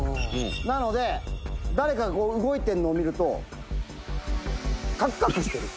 「なので誰かが動いてるのを見るとカクカクしてる」